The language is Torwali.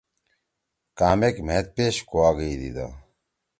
کامیک مھید پیش کُوا گئیدی دا۔